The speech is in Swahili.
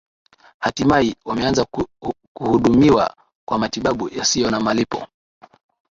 hatimaye wameanza kuhudumiwa kwa matibabu yasiyo na malipo